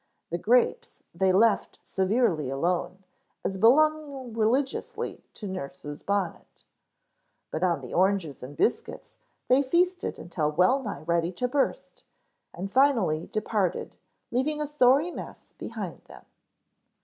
The grapes they left severely alone as belonging religiously to nurse's bonnet. But on the oranges and biscuits they feasted until well nigh ready to burst, and finally departed leaving a sorry mess behind them.